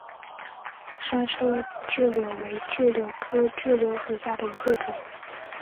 莎车柽柳为柽柳科柽柳属下的一个种。